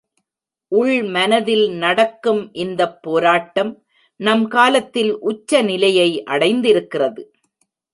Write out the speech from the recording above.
உள்மனத்தில் நடக்கும் இந்தப் போராட்டம் நம் காலத்தில் உச்ச நிலையை அடைந்திருக்கிறது.